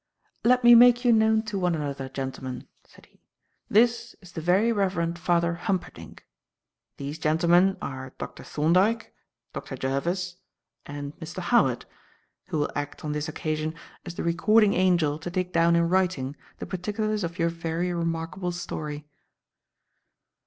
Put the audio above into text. "Let me make you known to one another, gentlemen," said he. "This is the Very Reverend Father Humperdinck. These gentlemen are Dr. Thorndyke, Dr. Jervis and Mr. Howard, who will act, on this occasion, as the recording angel to take down in writing the particulars of your very remarkable story."